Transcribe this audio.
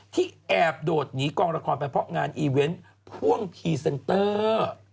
ที่แอบโดดหนีกองละครไปเพราะงานอีเวนต์พ่วงพรีเซนเตอร์